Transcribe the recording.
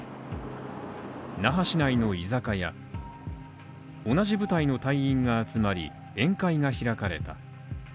那覇市内の居酒屋同じ部隊の隊員が集まり宴会が開かれた。